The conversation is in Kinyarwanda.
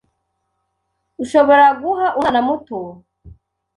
Ushobora guha umwana muto